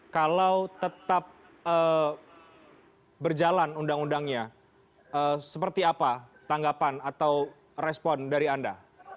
kalau tetap berjalan undang undangnya seperti apa tanggapan atau respon dari anda